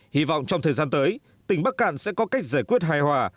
hy vọng trong thời gian tới tỉnh bắc cạn sẽ có cách giải quyết hài hòa